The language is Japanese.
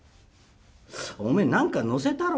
おめえ何か載せたろ？」。